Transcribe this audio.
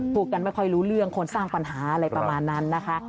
พูดกันไม่ค่อยรู้เรื่องคนสร้างปัญหาอะไรประมาณนั้นนะคะ